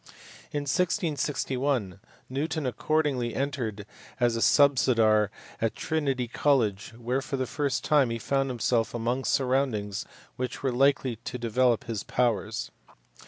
In 1661 Newton accordingly entered as a subsizar at Trinity College, where for the first time he found himself among surroundings which were likely to develope his powers.